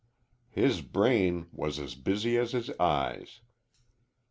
His brain was as busy as his eyes.